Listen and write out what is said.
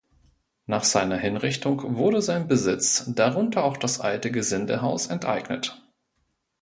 Nach seiner Hinrichtung wurde sein Besitz, darunter auch das Alte Gesindehaus, enteignet.